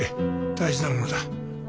大事なものだ。